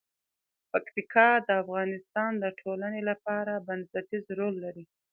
پکتیکا د افغانستان د ټولنې لپاره بنسټيز رول لري.